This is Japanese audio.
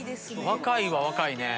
若いは若いね。